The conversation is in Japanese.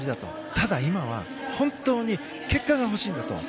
ただ、今は結果が欲しいんだと。